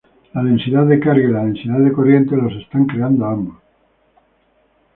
La densidad de carga y la densidad de corriente los están creando a ambos.